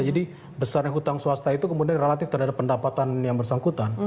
jadi besar yang hutang swasta itu kemudian relatif terhadap pendapatan yang bersangkutan